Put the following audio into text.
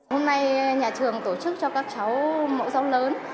hôm nay nhà trường tổ chức cho các cháu mẫu giáo lớn